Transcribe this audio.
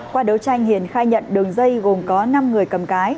qua đấu tranh hiền khai nhận đường dây gồm có năm người cầm cái